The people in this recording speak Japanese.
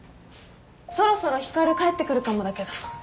そろそろ光帰ってくるかもだけど。